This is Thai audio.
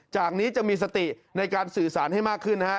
จากนี้จะมีสติในการสื่อสารให้มากขึ้นนะฮะ